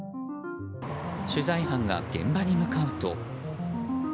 取材班が現場に向かうと。